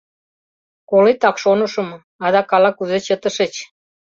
Колетак, шонышым, адак ала-кузе чытышыч.